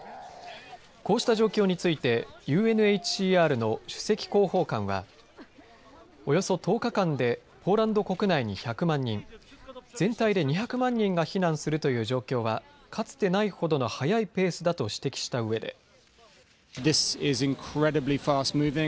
こうした状況についてＵＮＨＣＲの首席広報官はおよそ１０日間でポーランド国内に１００万人、全体で２００万人が避難するという状況はかつてないほどの速いペースだと指摘したうえで。